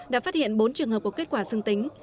đã phát hiện bốn trường hợp có kết quả dương tính